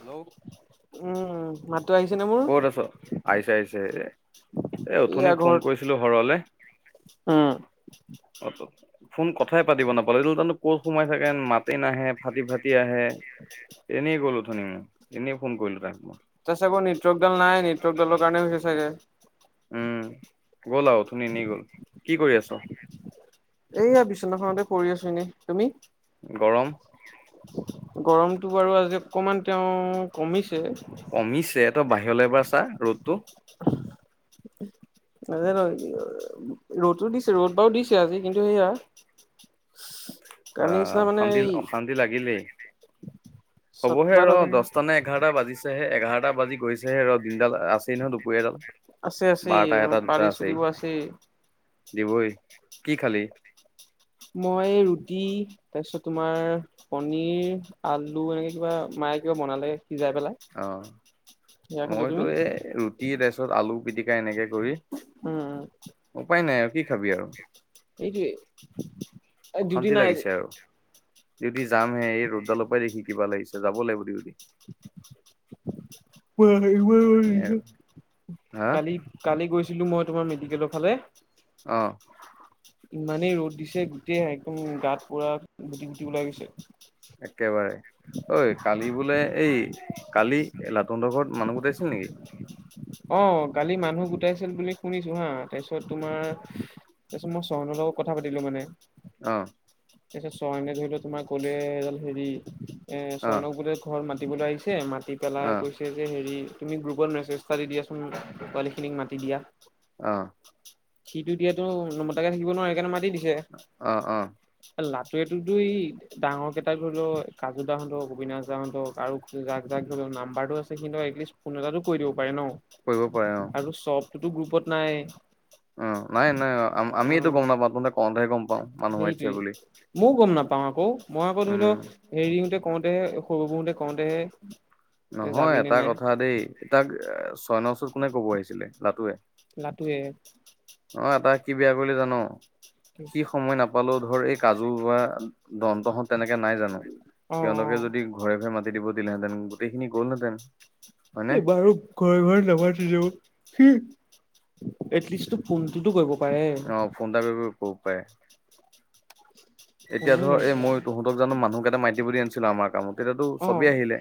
Hello উম মাতটো আহিছে নে মোৰ? ক'ত আছ আহিছে আহিছে এ এ এইয়া উথুনি ফোন কৰিছিলো হৰলে অহ ফোন কথাই পাতিব নাপালো এইটো জানো ক'ত সোমাই থাকে মাতে নাহে ফাটি ফাটি আহে এনেই গ'লো উথনি মই এনেই ফোন কৰিলো তাক তাৰ চাগৈ নেটৱক দাল নাই, নেটৱক দালৰ কাৰণে হৈছে চাগে। উম গ'ল আও, ওথুনি এনেই গ'ল। কি কৰি আছ? এইয়া বিশ্বনাখনতে কৰি আছো এনেই। তুমি? গৰম গৰমতটো বাৰু আজি অকমান তেওঁ কমিছে। কমিছে তই বাহিৰলে এবাৰ চা ৰ'দতটো। [unintelligible] নাজানো ৰ'তো দিছ ৰ'দ বাও দিছে আজি কিন্তু সেয়া কালি আহ নিচিনা মানে শান্তি এই অশান্তি লাগিলেই চট হ'বহে ফটা ৰ থকা নাই। দহটা নে এঘাৰটা বাজিছেহে এঘাৰটা বাজি গৈছেহে ৰ দিনডাল আছেই নহয় দুপৰীয়াডাল আছে আছেই বাৰটা এটা দুটা পাৰি আছেই। দিব দিবই কি খালি? মই ৰুটি তাৰপিছত তোমাৰ পনিৰ আলু এনেকে কিবা ম ম কিবা বনালে সিজাই পেলাই। অ সেয়া খালো, মইতো তুমি? এই ৰুটি তাপিচত আলু পিটিকা এনেকে কৰি উম, উপায় নাই আৰু কি খাবি আৰু এইটোৱে এই ডিউটি অশান্তি নাই আজি। লাগিছে আৰু যদি যাম হে এই ৰ'দডালৰ পৰাই দেখি কিবা লাগিছে যাব লাগিব দিউটি। [unintelligible] সেয়াই আৰু [unintelligible] হা কালি কালি গৈছিলো মই তোমাৰ মেডিকেলৰ ফালে অঁ। ইমানেই ৰ'দ দিছে গোটেইে একদম গাত পোৰা গুটি গুটি ওলাই গৈছে। একেবাৰে। ঐ কালি বোলে এই কালি লাটুনড ঘৰত মানুহ গোটাইছিল নেকি? অ গালি মানুহ গোটাইছিল বুলি শুনিছো হা তাৰপিছত তোমাৰ মই চয়নৰ লগত কথা পাতিলো মানে। অ তাৰপিছত চয়নে ধৰি লও তোমাৰ কলে এ হেৰি এ অ চয়নক বোট ঘৰত মাতিবলৈ আহিছে মা মাতি অ পেলাই কৈছে যে হেৰি তুমি গ্ৰুপত মেছেজ এটা দি দিয়াচোন পোৱালীখিনিক মাতি দিয়া। আহ। সিটো দিয়াতো নমতাকে থাকিব নোৱাৰে সেইকাৰণে মাতি দি আহ আহ। ত এইটোতই ডাঙৰ কেইটাক ধৰি লও কাজু দাহঁতক অবিনা দাহঁতক আৰু জাক জাক ধৰি লও। নাম্বাৰটো আছে কিন্তু এটলিষ্ট ফোন এটাটো কৰি দিব পাৰে ন। কৰিব পাৰে অ। তো গ্ৰুপত নাই। উ নাই নাই অ আমি এইটো গম নাপাওঁ আপ সেইটোৱে মই গম নাপ পাওঁ আকৌ মই আকৌ ধৰি উম লও হেৰিওঁতে কওঁতেহে সৰুবোৰতে কওঁতেহে এ নহয় যাবি নে এটা নাই কথা দেই এ তাক ছয়নৰ ওচৰত কোনে কব আহিছিলে লাটুৱে? লাটুৱে। অ এটা কি বিয়া কৰিলে জান সি সময় নাপালেও ধৰ এই কাজু বা দন্তহঁত তেনেকে নাই জানো অ অ সিহতকে যদি ঘৰে ঘৰে মাতি দিব দিলেহেঁতেন গোটেইখিনি গ'ল হেঁতেন। এইবাৰু ঘৰে ঘৰে নমাটিলেও সি এটলিষ্ট টো ফুনটোতো গ অ ফোন এটা কৰি ক'ব পায়। এতিয়া ফোনো ধৰ এই নাইকিয়া মই তহঁতক জানো মানুহক এটা মতি বুলি আনিছিলো আমাৰ কামত। তেতিয়াতো অ চবেই আহিলে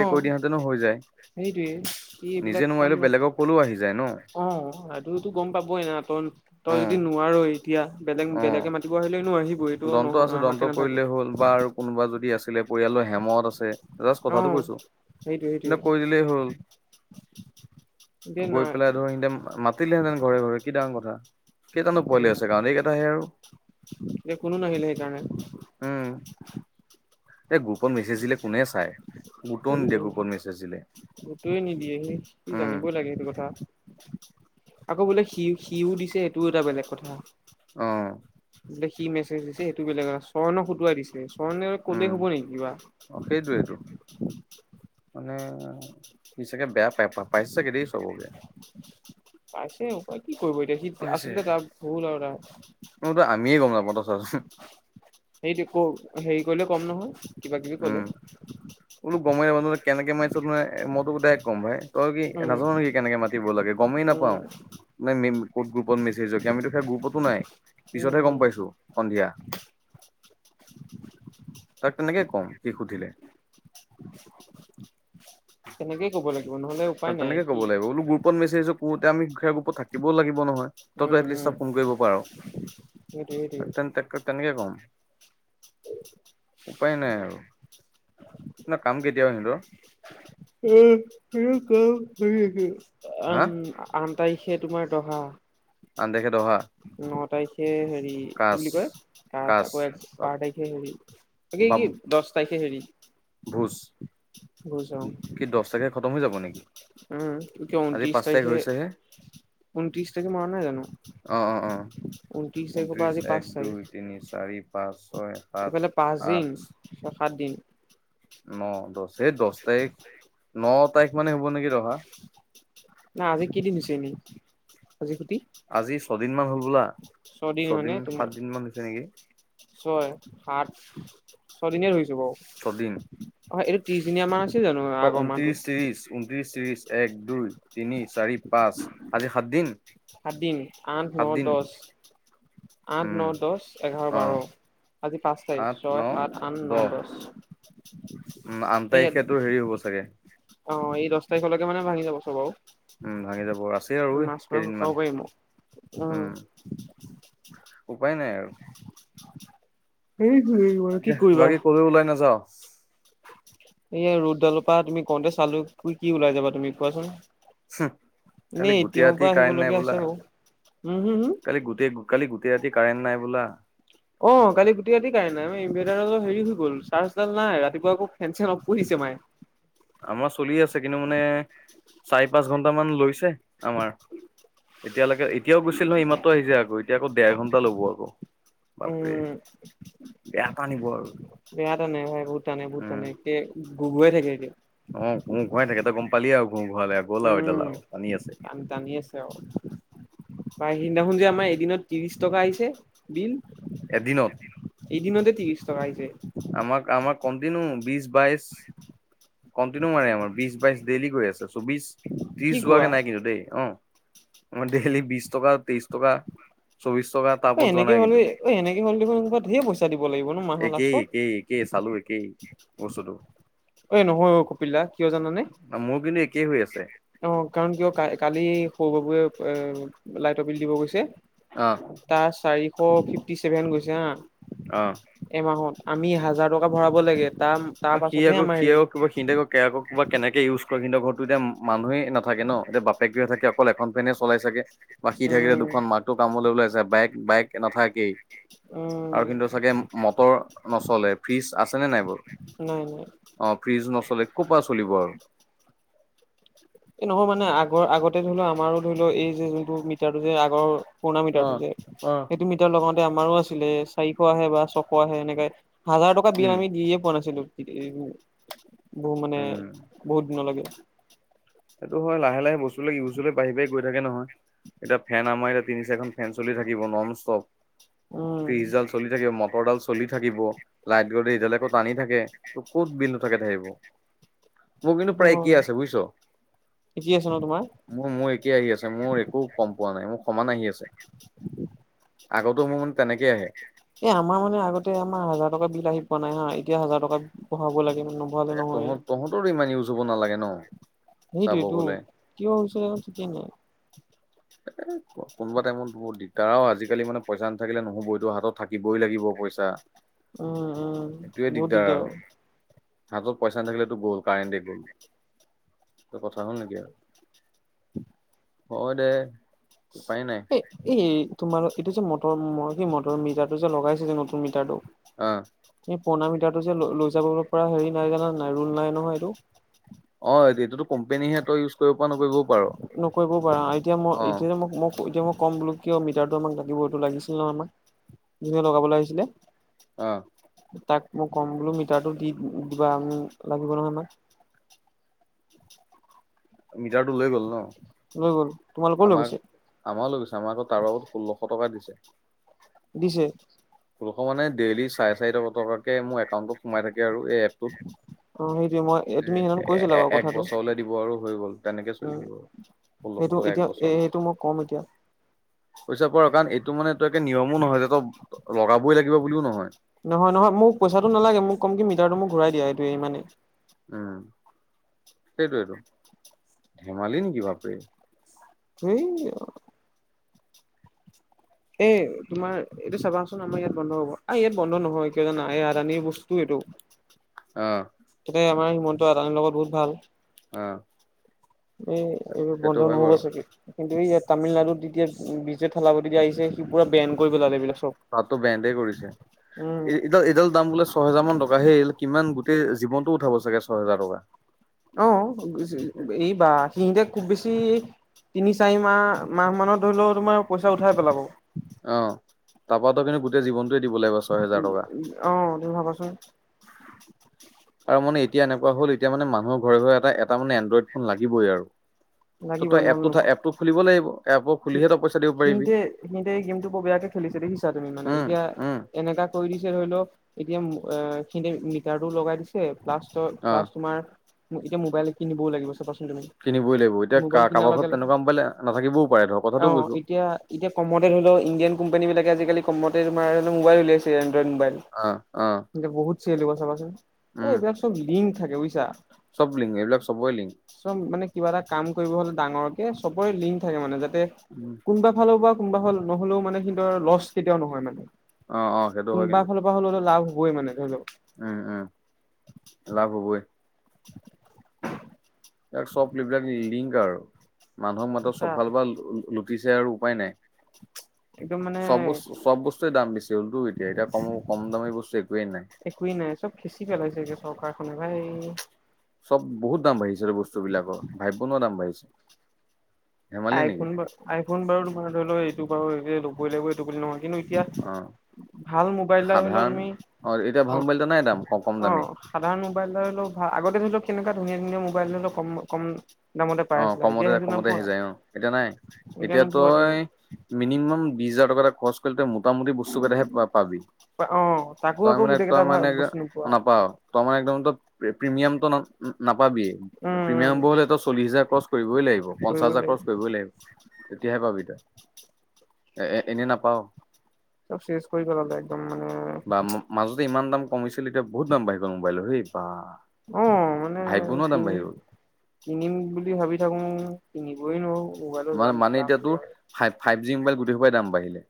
অ কৈ দিয়াহেঁতেনো হৈ যায়। সেইটোৱে সি এইবিলাক নিজে কাম নোৱাৰিলে ন বেলেগক কলেও আহি যায় ন অ লাটুতো এই গম পাবই না তই অ তই যদি নোৱাৰই। এতিয়া বেলেগ অ বেলেগে মাতিব আহিলেনো আহিব। এইটো দন্ত নহ আছে অহাকে দন্ত নাথাকে কৰিলে হ'ল বা আৰু কোনোবা যদি আছিলে পৰিয়ালৰ হেমহত আছে। জাষ্ট অ কথাটো কৈছো সেইটোৱে সেইটোৱে হেতক কৈ দিলেই হ'ল। এতিয়া গৈ নাই পেলাই ধৰ সিহতে মাতিলেহেঁতেন ঘৰে ঘৰে কি ডাঙৰ কথা। কেইটানো পোৱালি উম আছে কাৰণ এইকেইটা সে আৰু এতিয়া কোনো নাহিলে উম সেইকাৰণে। এই গ্ৰুপত মেছেজ দিলে কোনে চাই। গুৰুত্বও নিদিয়ে গ্ৰুপত মেছেজ দিলে গুৰুত্বৱে নিদিয়ে সেই কি উম জানিবই লাগে সেইটো কথা। [inaudible] আকৌ বোলে সি সিও দিছে সেইটোও এটা বেলেগ কথা। অ বো কি মেছেজ দিছে সেইটো বেলেগ আৰু সৰ্ণক সুটুৱাই দিছে। অ কলে উম হ'ব নে কিবা। অ সেইটোৱেইটো মানে সি চাগে বেয়া পাই পাইছে চাগে দেই চবকে। পাইছে উপায় কি কৰিব এতিয়া সি পাইছে আচলতে তাৰ ভুল আৰু তাৰ মত আ চ [unintelligible] সেইটো ক হেৰি কৰিলে কম নহয় কিবা কিবি উম কলে। বোলো গমেই নাপালোকেনেকৈ মাৰিছোঁ মইটো ডাইৰেক্ট কম ভাই। তই কি উম নাজানো নেকি কেনেকে মাতিব লাগে গমেই নাপাও উম মানে। ক'ত গ্ৰুপত মেছেজ আমিতো সেই গ্ৰুপতো নাই উম পিছতহে গম উম পাইছো সন্ধিয়া। তাক তেনেকে কম সি সুধিলে। তেনেকেই কব লাগিব নহলে ত উপায় নাই তেনেকে কব কি লাগিব গ্ৰুপত মেছেজক। আমি দুখীয়া গ্ৰুপত থাকিবও লাগিব নহয় উম উম। তইটোএতলিষ্ট ফোন কৰিব পাৰ। সেইটোৱে ত তেন তক তেনেকে কম। উপায় নাই আৰু তাৰ কাম কেতিয়াও সিহতৰ। উ কি কি কি হা উম। তাৰিখে তোমাৰ দহা। আ [unintelligible] দহা পাইছে হেৰি কি কাচ বুলি কয় তাৰ কাচ আকৌ এক বাৰ তাৰিখে হেৰি কি বা কি দহ তাৰিখে হেৰি। ভোজ ভোজ অন কি দহ উম তাৰিখে খতম হৈ যাব কি নেকি কি ঊনত্ৰিশ আজি পাঁচ তাৰিখে। তাৰিখ হৈছেহে ঊনত্ৰিশ তাৰিখে মৰা নহয় জানো। অ অ অ ঊনত্ৰিছ তাৰিখৰ ঊনত্ৰিশ পৰা এক আজি দুই তিনি পাঁচ চাৰি পাঁচ তাৰিখ। ছয় সাত ইফালে পাঁচদিন, আঠ ছয়- সাত দিন। ন -দহ সেই দহ তাৰিখ, ন তাৰিখ মানে হ'ব নেকি দহা। নাই আজি কেইদিন হৈছে এনেই আজি সুটি? আজি ছদিন মান হল বলা ছয়দিন তোমাৰ সাত দিন মান হৈছে নেকি। ছয় সাত ছয়দিনীয়া ধৰিছো বাৰু অ এইটো ত্ৰিশ দিনীয়া মাহ বা ঊনত্ৰিশ তিশ ঊনত্ৰিশ ত্ৰিছ এক দুই তিনি চাৰি পাঁচ আজি সাতদিন। সাত দিন আঠ ন দহ আঠ ন উম দহ এঘাৰ অ বাৰ আজি পাঁচ আঠ তাৰিখ ন ছয় সাত আঠ ন দহ। উম আন এইয়াত তাৰিখেতো হেৰি হ'ব চাগে। অ এই দহ তাৰিখলৈকে মানে ভাঙি যাব চব আও উম ভাঙি যাব। আছেই আৰু মাছ মাস কেইদিনমান খাব পাৰিম উম। উপায় নাই আৰু এই কি কৰিবা। বাকী কলৈ ওলাই নাযাও এয়া ৰুদডালৰ পৰা তুমি কওঁতে চালো কি ওলাই যাবা তুমি কোৱাচোন। এনেই কালি এ টি গোটেই এমৰ ৰাতি‌‌ পৰা কাইন নাই আহিবলগীয়া বোলা আছে বাৰু উম হম হম কালি গোটেই কালি গোটেই ৰাতি কাৰেণ্ট নাই বোলা অ কালি গুটেই ৰাতি‌ কাইন নাই হেৰি হৈ গ'ল চাৰ্জডাল নাই ৰাতিপুৱা আকৌ ফেন চেন অফ কৰিছে মানে আমাৰ চলি আছে কিন্তু মানে চাৰি পাঁচ ঘন্টা মান লৈছে আমাৰ এতিয়ালৈকে এতিয়াও গৈছিল নহয় এইমাত্ৰ [unintelligible] [inaudible] এতিয়া আকৌ দেৰ ঘণ্টা লব আকৌ বাপেৰে, উম বেয়াটানিব আৰু বেয়া টানে ভাই বহুত উম টানে একে গৈয়ে থাকে এতিয়া অ ঘোৰাই থাকেত গম পালি আৰু ঘোঁ ঘূৰালে আৰু গ'ল আৰু এইডাল উম, আৰু টানি আছে টান টানি আছে আৰু পাই সেইদিনাখনযে আমাৰ এদিনত ত্ৰিশ টকা আহিছে বিল। এদিনত এদিনতে ত্ৰিশ টকা আহিছে। আমাক- আমাক কণ্টিনিউ বিশ বাইশ কন্টিনউ মাৰে আমাৰ বিশ -বাইশ ডেইলি গৈ আছে চৌবিশ। ত্ৰিশ কি কোৱা? যোৱাকে নাই কিন্তু দেই, অ আমাৰ ডেইলি বিশ টকা, তেইশ টকা। চৌবিশ টকা তাৰ অ ওপৰত যোৱা এনেকে নাই কিন্তু হ'লে দেখোনা ঢেৰ পইচা দিব লাগিব ন মাহৰ সেই লাষ্টত। একেই চালো একেই বস্তুতো এ নহয় অ কপিলদা কিয় জানানে? মোৰ কিন্তু একেই হৈ আছে অ কাৰণ কিয় কালি সৰু বাবুএ লাইটৰ বিল দিব গৈছে অ তাৰ চাৰিশ ফিফটি ছেভেন গৈছে হা অ এমাহত আমি হাজাৰ টকা ভৰাব লাগে। তাৰ তাৰ সি পাছতহে আকৌ আমাৰ হেৰি। কিবা সিতে আকৌ কিবা কেনেকে ইউজ কৰেহি সিহঁতৰ ঘৰতো এতিয়া মানুহে নাথাকে ন এতিয়া বাপেকক থাকে অকল এখন ফেনে চলাই চাগে, বা সি থাকিলে উম। দুখন, মাকটো কামলৈ ওলাই যায়। বাইক বায়েকে নাথাকেই। আৰু উম কিন্তু চাগে মটৰ নচলে, ফ্ৰিজ আছে নে নাই বাৰু? নাই নাই অ ফ্ৰিজ নচলে কৰপৰা চলিব আৰু এই নহয় মানে আগৰ, আগতে ধৰি লও আমাৰো ধৰি লও এই যে যোনটো মিটাৰটো যে আগৰ পুৰণা মিটাৰটো আহ যে, আহ সেইটো মিটাৰ লগাওঁতে আমাৰো আছিলে চাৰিশ আহে বা ছশ আহে এনেকে হাজাৰ টকা বিল উম আমি দিয়ে পোৱা নাছিলো বহু মানে উম বহুত দিনলৈকে। সেইটো হয় লাহে লাহে বস্তু বিলাক ইউজ হলে বাঢ়ি বাঢ়ি গৈ থাকে নহয়, এতিয়া ফেন আমাৰ ইয়াত তিনি-চাৰিখন ফেন চলি থাকিব নন ষ্টপ উম ফিজডাল্ট চলি থাকে ম তৰডাল চলি থাকিব, লাইট গলে এইডালে আক টানি থাকে। ত ক'ত বিল নুথাকে থাকিব। মোৰ কিন্তু সেইটো প্ৰায় একেই হয় আছে বুইছ। [unintelligible] আছে ন তোমাৰ মু মোৰ একেই আহি আছে মোৰ একো কম পোৱা নাই মোৰ সমান আহি আছে। আগতো মোৰ তেনেকে আহে এ আমাৰ মানে আগতে আমাৰ হাজাৰ টকা বিল আহিব পোৱা নাই হা এতিয়া হাজাৰ টকাত পঢ়াব লাগে মানে নবঢ়ালে তাকে নহয় তহঁতৰো ইমান ইউজ হ'ব নালাগে ন। চাব সেইটোৱে টো, গ'লে কিয় হৈছিল ঠিকেই নাই। এ কোনোবা টাইমত বৰ দিগদাৰ অ আজিকালি মানে পইচা নাথাকিলে নহব এইটো হাতত থাকিবই লাগিব পইচা। উম-উম এইটোৱে বহুত আৰু দিগদাৰ। হাতত পইচা নাথাকিলেটো গ'ল কাৰেণ্টে গ'ল এই কথা হ'ল নেকি আৰু। অ দে। উপায় নাই এ এ তোমাৰ এইটো যে মটৰ কি মটৰ মিটাৰটো যে লগাইছে যে নতুন মিটাৰটো আহ পুৰণা মিটাৰটো যে লৈ যাব পৰা হেৰি নাই জানাই ৰল নাই নহয় এইটো অ', এইটো‌ টো কম্পেনীহে তই ইউজ', কৰিব পৰা নকৰিবও পাৰ নকৰিবও পাৰোঁ, আ', এতিয়া মই অ এতিয়া মোক- মোক এতিয়া মোক', কম বোলো কিয় মিটাৰটো আমাক লাগিব, এইটো লাগিছিল ন আমাক যোনে লগাবলৈ আহিছিলে', আহ', তাক মই ক'ম বোলো মিটাৰটো দি দিবা লাগিব নহয় আমাক', মিটাৰটো লৈ গ'ল ন? লৈ গ'ল তোমালোকৰও লৈ আমাক, গৈছে আমাৰো লৈ গৈছে, আমাৰ আকৌ তাৰ বাবত ষোল্লশ টকা দিছে। দিছে? ষোল্লশ মানে ডেইলি চাৰে চাৰিশ টকাকে মোৰ একাউণ্টত সোমাই থাকে আৰু এই এপটোত'। অ সেইটোৱে মই তুমি এ', সেইদিনা - কৈছিলা এ', বাৰু এক কথাটো বছৰলে দিব আৰু হৈ গ'ল, তেনেকে চলি উম থাকিব আৰু' ষোল্লশ সেইটো টকা এক এতিয়া এ বছৰলে। এইটো মই কম এতিয়া'। পইচা পোৱাৰ কাৰণ এইটো মানে তই একে নিয়মো নহয় যে, তই লগাবই লাগিব বুলিও নহয়'। নহয়, নহয়, মোক পইচাটো নালাগে মোক কম কি মিটাৰটো মোক ঘূৰাই দিয়া এইটো ইমানেই। উম', সেইটোই টো ধেমালি নেকি বাপৰে'। সেই আ। এ', তোমাৰ এইটো চাবাচোন আমাৰ ইয়াত বন্ধ হব, আহ ইয়াত বন্ধ নহয় কিয় জানা এই আদানী বস্তু এটো', [unintelligible] অ', আমাৰ হিমন্ত আদানীৰ লগত বহুত ভাল', আহ'। এই এইবোৰ বন্ধ নহ'ব চাগে? কিন্তু ইয়াত তামিলনাডুত যেতিয়া বিজয় থালাপতি যে আহিছে সি পূৰা বেন কৰিব পেলালে এইবিলাক চব', তাতটো ব্ৰেণ্ডে কৰিছে, উম। এই এইডাল এইডাল দাম বোলে ছয় হেজাৰ মান টকাহে কিমান গোটেই', জীৱনটো উঠাব চাগে ছয় হেজাৰ টকা'। অ', এই বা সিংটেক কবি', [unintelligible] বেছি, তিনি চাৰি মাহ মাহ মানত ধৰি ল, তোমাৰ পইচা উঠাই পেলাব। অ', তাৰপৰাটো কিন্তু গোটেই জীৱন', উ', - উ', আহ তুমি ভাবাচোন', আৰু মানে এতিয়া এনেকুৱা হ'ল এতিয়া মানে মানুহৰ ঘৰে ঘৰে এটা এটা মানে এণ্ড্ৰইড ফোন লাগিবই আৰু। ত', লাগিবই তই নহ'লে এপটো নব থয় এপটোত খুলিব লাগিব এপ', সি যে সিহঁতে এই গেমটো বৰ বেয়াকে খেলিছে দেখিছা তুমি মানে, উম এতিয়া উম এনেকা কৰি দিছে ধৰি লওক', এতিয়া অ', এইখিনিতে মিটাৰটো লগাই দিছে প্লাছ তই অ প্লাছ তোমাৰ', এতিয়া মোবাইল কিনিবও লাগিব চাবাচোন', তুমি কিনিবই লাগিব এতিয়া ক মোবাইল কিনাৰ কাৰোবাৰ লগে ঘৰত লগে তেনেকুৱা মোবাইল নাথাকিবও পাৰে ধৰক', অ', এতিয়া, এতিয়া কমতে ধৰি লও ইণ্ডিয়ান কোম্পানী বিলাকে আজিকালি কমতে তোমাৰ মোবাইল উলিয়াইছে', মোবাইল ', অ অ এইবিলাক বহুত চেল দিব চাবাচোন এই উম এইবিলাক চব লিংক থাকে বুজিছা', সবৰে লিংক', চব মানে কিবা এটা কাম কৰিব হ'লে ডাঙৰকে সবৰে লিংক থাকে মানে যাতে উম কোনোবা ফালৰ পৰা', কোনোবা ফালে হ'লে নহ'লেও মানে কিন্তু আৰু লছ কেতিয়াও নহয় মানে। অ অ সেইটো হয় কোনোবা কিন্তু ফালৰ পৰা হ'লোওটো লাভ [unintelligible] মানে ধৰি লও', উম', - উম', লাভ হ'বই'। [unintelligible] ইয়াক চব এইবিলাক লিংক আৰু, মানুহক মাত্ৰ চা চবফালৰপৰা ল', দিছে আৰু উপায় নাই'। একদম মানে চব বস্তু চব বস্তুৱয়ে দাম বেছি হ'লতো এতিয়া, এতিয়া কম, কম দামী বস্তু একোৱেই নাই। একোৱেই নাই চব খিচিৰি কৰি পেলাইছে একে চৰকাৰখনে ভাই'। চব বহুত দাম বাঢ়িছে ৰে বস্তু বিলাকৰ ভাবিবনোৱাৰা দাম বাঢ়িছে। ধেমালি নেকি আইফোন বাৰু আইফোন বাৰু তোমাৰ ধৰি লও এইটো বাৰু ল'বই লাগিব এইটো বুলি নহয়। কিন্তু', অ এতিয়া ভাল মোবাইল এটা ধৰি ল সাধাৰণ তুমি', অ এতিয়া ভাল অ', মোবাইল এটা নাই দাম কম কম - অ', দামী সাধাৰণ মোবাইল ধৰি লওক ভাল আগতে ধৰিলক কেনেকুৱা ধুনীয়া ধুনীয়া মোবাইল কম কম দামতে পাই অ আছিলা কমতে এতিয়া সেইটো কমতে নোপোৱা আহি যায় অ। এতিয়া নাই এতিয়া নোপোৱা তুমি তই মিনিমাম বিশ হাজাৰ টকা এটা খৰচ কৰিলে তই মোটামুটি বস্তু কেইটাহে পা পাবি। অ তাকো তই আকৌ মানে গোটেই তই কেইটা ভাল মানে বস্তু নোপোৱা নাপাওঁ, তই মানে একদম প্ৰিমিয়ামটো ন নাপাবিয়ে, উম উম প্ৰিমিয়াম বোৰ হলে [unintelligible] চল্লিশ হাজাৰ ক্ৰছ কৰিবই লাগিব, পঞ্চাচ কৰিবই হাজাৰ লাগিব ক্ৰছ কৰিবই লাগিব তেতিয়াহে পাবি তই। এনে নাপাওঁ চব চেচ কৰি পেলাব একদম মানে। বা মাজতে ইমান দাম কমিছিল এতিয়া বহুত দাম বাঢ়িল মোবাইলৰ হেই বা অ মানে ভাই বোনৰ দাম চিনি বাঢ়ি গ'ল কিনিম বুলি বুলি ভাবি থাকো কিনিবই নোৱাৰোঁ। ম মানে এতিয়া তোৰ ফাইভ জি মোবাইল গোটেই খোপাই দাম বাঢ়িলে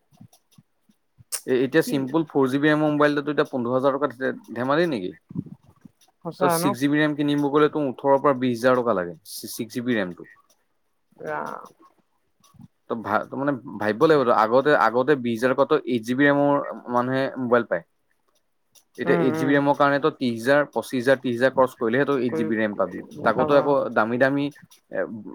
এ এতিয়া কি চিম্পুল ফৰ জিবি ৰেমৰ মোবাইলটো এতিয়া। পোন্ধৰ হাজাৰ টকা ধেমালি নেকি সঁচা তই ন ছিক্স জীবি ৰেম কিনিব গলে তোৰ উঠৰ- পা বিছ হাজাৰ লাগে ছিক্স জিবী ৰেম। ত ভা মানে ভাবিব লাগিব তো আগতে আগতে- বি হাজাৰ টকা এইট জি বি ৰেমৰ মানুহে মোবাইল পায় এতিয়া উম এইট জিব বি উম ৰেমৰ কাৰণেত ত্ৰিশ হাজাৰ পচিছ হাজাৰ ত্ৰিছ হেজাৰ ক্ৰছ কৰিলে সেইটো এইট কৈ জিবি ৰেম পাবি তাকতো চাবা আকৌ দামী দামী এ-